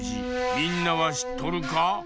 みんなはしっとるか？